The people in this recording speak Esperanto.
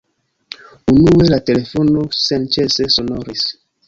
Unue la telefono senĉese sonoris.